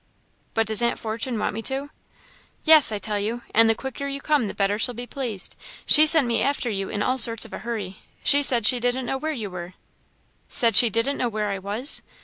"But does Aunt Fortune want me too?" "Yes, I tell you! and the quicker you come the better she'll be pleased. She sent me after you in all sorts of a hurry. She said she didn't know where you was!" "Said she didn't know where I was!